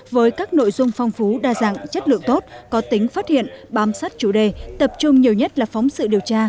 với các nội dung phong phú đa dạng chất lượng tốt có tính phát hiện bám sát chủ đề tập trung nhiều nhất là phóng sự điều tra